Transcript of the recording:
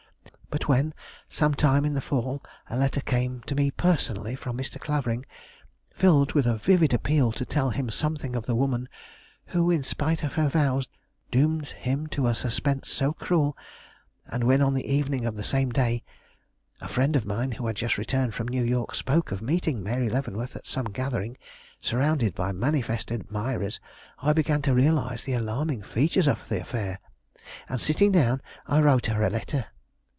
But when, some time in the fall, a letter came to me personally from Mr. Clavering, filled with a vivid appeal to tell him something of the woman who, in spite of her vows, doomed him to a suspense so cruel, and when, on the evening of the same day, a friend of mine who had just returned from New York spoke of meeting Mary Leavenworth at some gathering, surrounded by manifest admirers, I began to realize the alarming features of the affair, and, sitting down, I wrote her a letter.